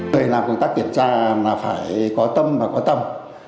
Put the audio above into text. về làm công tác kiểm tra là phải có tâm và có tâm